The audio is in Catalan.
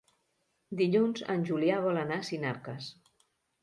Dilluns en Julià vol anar a Sinarques.